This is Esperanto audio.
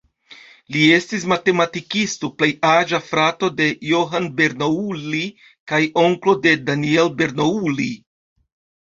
Li estis matematikisto, plej aĝa frato de Johann Bernoulli, kaj onklo de Daniel Bernoulli.